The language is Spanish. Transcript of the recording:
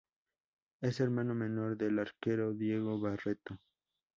Es hermano menor del arquero Diego Barreto.